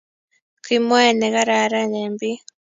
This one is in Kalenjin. Kimwae negararan eng biik